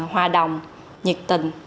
hòa đồng nhiệt tình